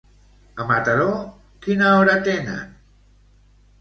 A Mataró quina hora tenen?